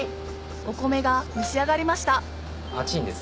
お米が蒸し上がりました熱ちぃんです。